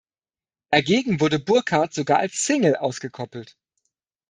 Dagegen wurde Burkhard sogar als Single ausgekoppelt.